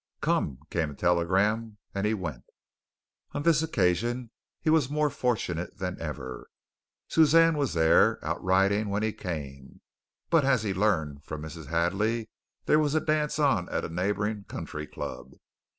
"Come!" came a telegram, and he went. On this occasion, he was more fortunate than ever. Suzanne was there, out riding when he came, but, as he learned from Mrs. Hadley, there was a dance on at a neighboring country club.